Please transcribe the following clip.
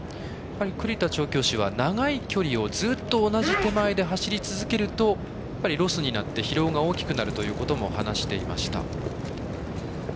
栗田調教師は長い距離をずっと同じ手前で走り続けるとロスになって疲労が大きくなるということも話していました。